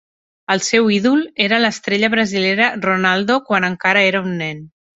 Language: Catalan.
El seu ídol era l'estrella brasilera Ronaldo quan encara era un nen.